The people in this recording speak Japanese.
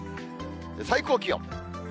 最高気温。